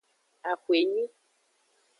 Axwenyi.